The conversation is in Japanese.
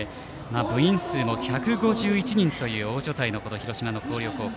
部員数も１５１人という大所帯の広島の広陵高校。